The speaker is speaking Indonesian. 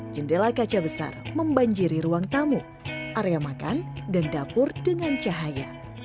jendela kaca besar membanjiri ruang tamu area makan dan dapur dengan cahaya